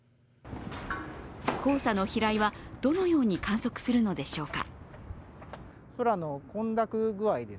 黄砂の飛来はどのように観測するのでしょうか。